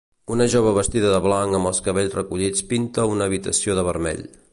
Una jove vestida de blanc amb els cabells recollits pinta una habitació de vermell.